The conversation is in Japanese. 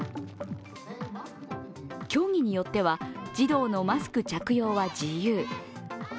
競技によっては、児童のマスク着用は自由。